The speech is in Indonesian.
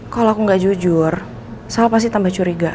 kalau aku gak jujur saya pasti tambah curiga